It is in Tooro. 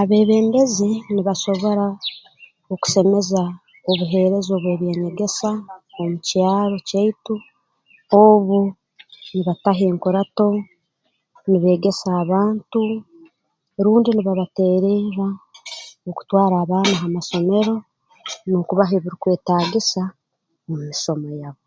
Abeebembezi nibasobora okusemeza obuheereza obw'eby'enyegesa omu kyaro kyaitu obu nibataho enkurato nibeegesa abantu rundi nibabateererra okutwara abaana ha masomero n'okubaha ebirukwetaagisa mu misomo yabo